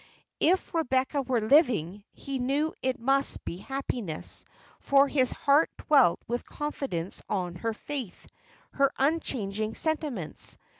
If Rebecca were living, he knew it must be happiness; for his heart dwelt with confidence on her faith, her unchanging sentiments.